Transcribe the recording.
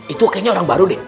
itu kayaknya orang baru nih